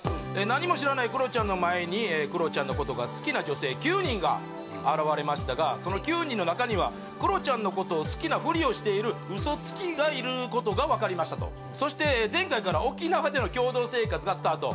何も知らないクロちゃんの前にクロちゃんのことが好きな女性９人が現れましたがその９人の中にはクロちゃんのことを好きなフリをしているウソつきがいることが分かりましたとそして前回から沖縄での共同生活がスタート